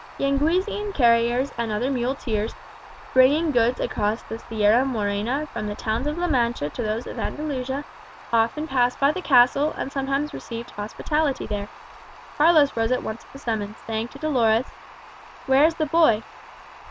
Yanguesian carriers and other muleteers, bringing goods across the Sierra Morena from the towns of La Mancha to those of Andalusia, often passed by the castle, and sometimes received hospitality there. Carlos rose at once at the summons, saying to Dolores "Where is the boy?"